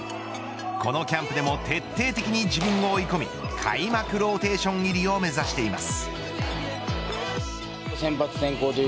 このキャンプでも徹底的に自分を追い込み開幕ローテーション入りを目指しています。